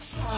あ。